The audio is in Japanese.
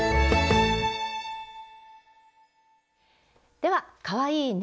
ではかわいいね